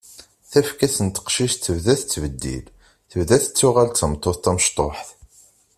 Tafekka-s n teqcict tebda tettbeddil, tebda tettuɣal d tameṭṭut tamecṭuḥt.